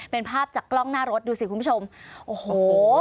เป็นภาพจากกล้องหน้ารถดูสิคุณผู้ชมโอ้โห